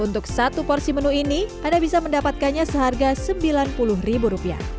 untuk satu porsi menu ini anda bisa mendapatkannya seharga rp sembilan puluh